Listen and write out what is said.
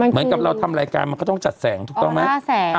เหมือนกับเราทำรายการมันก็ต้องจัดแสงถูกต้องไหม